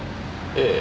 ええ。